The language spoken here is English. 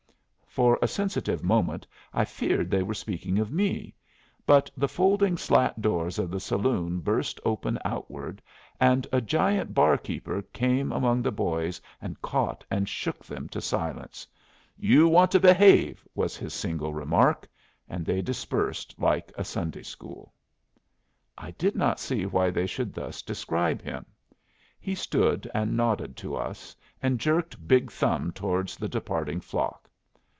For a sensitive moment I feared they were speaking of me; but the folding slat doors of the saloon burst open outward, and a giant barkeeper came among the boys and caught and shook them to silence. "You want to behave," was his single remark; and they dispersed like a Sunday school. I did not see why they should thus describe him. He stood and nodded to us, and jerked big thumb towards the departing flock.